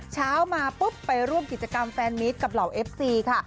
เช้ามาปุ๊บไปร่วมกิจกรรมแฟนมิตรกับเหล่าเอฟซีค่ะ